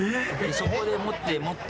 そこで持って持って。